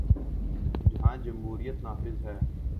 جہاں جمہوریت نافذ ہے۔